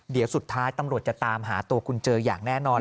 เดี๋ยวสุดท้ายตำรวจจะตามหาตัวคุณเจออย่างแน่นอน